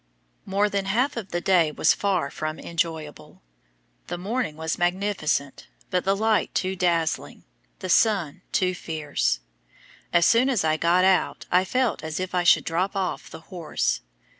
More than half of the day was far from enjoyable. The morning was magnificent, but the light too dazzling, the sun too fierce. As soon as I got out I felt as if I should drop off the horse.